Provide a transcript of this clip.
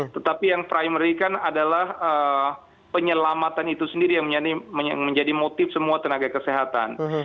tetapi yang primary kan adalah penyelamatan itu sendiri yang menjadi motif semua tenaga kesehatan